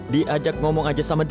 diajak ngomong aja sama dia